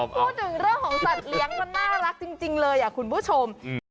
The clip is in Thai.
พูดถึงเรื่องของสัตว์เลี้ยงมันน่ารักจริงเลยคุณผู้ชม